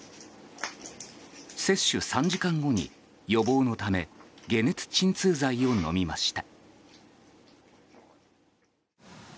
接種３時間後に、予防のため解熱鎮痛剤を飲みました。